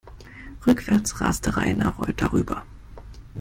Rückwärts raste Rainer Reuter rüber.